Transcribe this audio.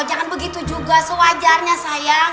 jangan begitu juga sewajarnya saya